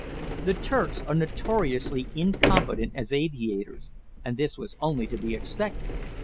The Turks are notoriously incompetent as aviators, and this was only to be expected.